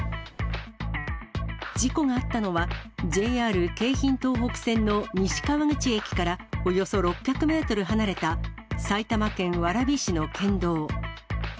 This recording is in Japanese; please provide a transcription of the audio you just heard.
事故があったのは、ＪＲ京浜東北線の西川口駅からおよそ６００メートル離れた、埼玉県蕨市の県道。